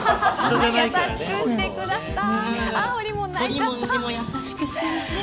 優しくしてください。